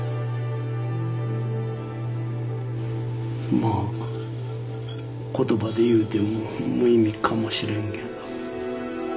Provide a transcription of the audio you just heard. まあ言葉で言うても無意味かもしれんけど。